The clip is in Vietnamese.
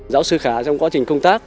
giáo sư khả trong quá trình công tác